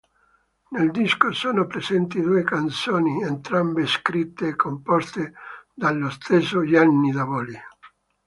Nel disco sono presenti due canzoni entrambe scritte e composte dallo stesso Gianni Davoli.